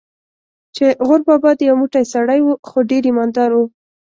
چې غور بابا دې یو موټی سړی و، خو ډېر ایمان دار و.